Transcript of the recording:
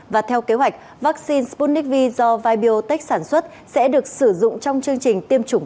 và theo kế hoạch vaccine sputnik v do vibiotech sản xuất sẽ được sử dụng trong chương trình tiêm chủng